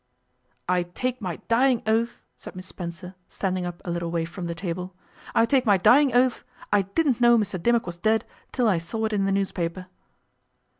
'I take my dying oath,' said Miss Spencer, standing up a little way from the table, 'I take my dying oath I didn't know Mr Dimmock was dead till I saw it in the newspaper.